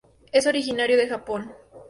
Es originario de Japón.